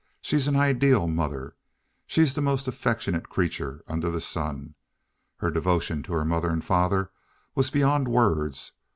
She's an ideal mother. She's the most affectionate creature under the sun. Her devotion to her mother and father was beyond words.